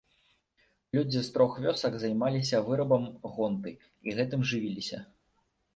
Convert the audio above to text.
Людзі з трох вёсак займаліся вырабам гонты і гэтым жывіліся.